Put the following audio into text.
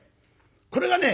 これがね